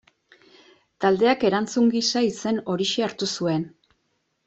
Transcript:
Taldeak erantzun gisa izen horixe hartu zuen.